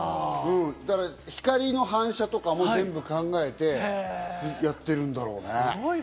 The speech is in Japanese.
光の反射とかも全部考えてやってるんだろうね。